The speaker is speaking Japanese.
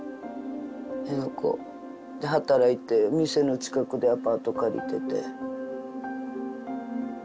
辺野古で働いて店の近くでアパート借りてて。